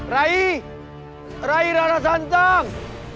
rai rai rana santang